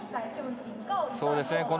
そうですね